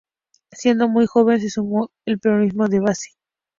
Siendo muy joven se sumó al Peronismo de Base.